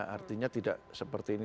artinya tidak seperti ini